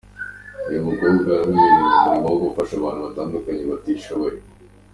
Uyu mukobwa anamenyerewe mu mirimo yo gufasha abantu batandukanye batishoboye.